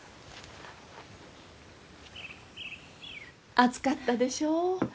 暑かったでしょう？